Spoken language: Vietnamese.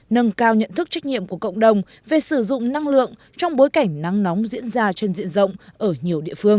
nâng cao nhận thức trách nhiệm của cộng đồng về sử dụng năng lượng trong bối cảnh nắng nóng diễn ra trên diện rộng ở nhiều địa phương